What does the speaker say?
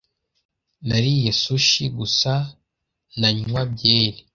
Nariye sushi gusa nanywa byeri.